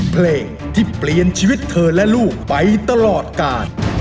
เพลงที่เปลี่ยนชีวิตเธอและลูกไปตลอดกาล